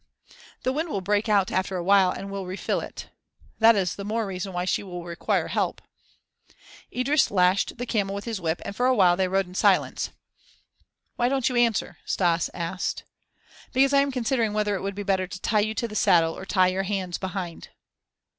"The wind will break out after a while and will refill it." "That is the more reason why she will require help." Idris lashed the camel with his whip and for a while they rode in silence. "Why don't you answer?" Stas asked. "Because I am considering whether it would be better to tie you to the saddle or tie your hands behind."